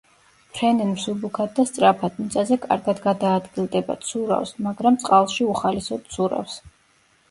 ფრენენ მსუბუქად და სწრაფად, მიწაზე კარგად გადაადგილდება; ცურავს, მაგრამ წყალში უხალისოდ ცურავს.